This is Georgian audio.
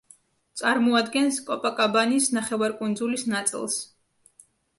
წარმოადგენს კოპაკაბანის ნახევარკუნძულის ნაწილს.